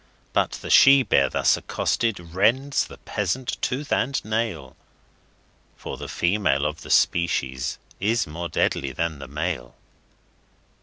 But the she bear thus accosted rends the peasant tooth and nail, For the female of the species is more deadly than the male.